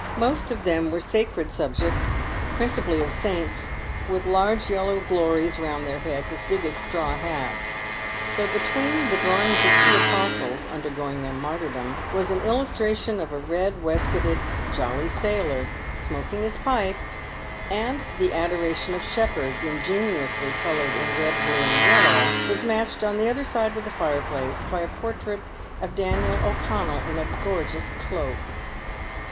Most of them were sacred subjects, principally of saints, with large yellow glories round their heads as big as straw hats ; though between the drawings of two Apostles, undergoing their martyrdom, was an illustration of a red waistcoated " Jolly Sailor," smoking his pipe, and the Adoration of the Shepherds, ingeniously coloured in red, blue, and yellow, was matched on the other side of the fireplace by a portrait of Daniel O'Connell in a gorgeous cloak.